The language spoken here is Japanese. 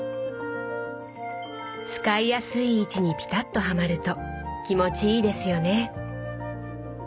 使いやすい位置にピタッとはまると気持ちいいですよね。